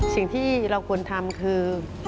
สิ่งที่เราควรทำคือ